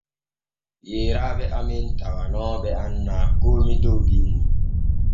Yeyraaɓe amen tawanooɓe annaa koomi dow binni.